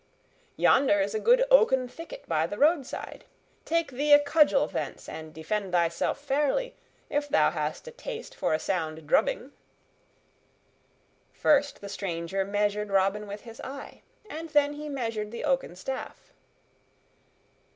Yonder is a good oaken thicket by the roadside; take thee a cudgel thence and defend thyself fairly, if thou hast a taste for a sound drubbing." First the stranger measured Robin with his eye, and then he measured the oaken staff.